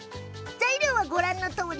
材料は、ご覧のとおり。